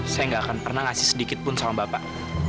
saya nggak akan pernah ngasih sedikitpun sama bapak